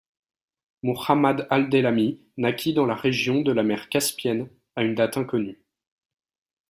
Muhammad Al-Daylamî naquit dans la région de la mer Caspienne à une date inconnue.